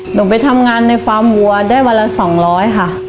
หนูไปทำงานในฟาร์มวัวได้วันละ๒๐๐ค่ะ